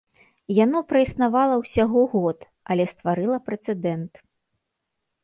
Яно праіснавала ўсяго год, але стварыла прэцэдэнт.